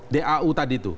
dau tadi itu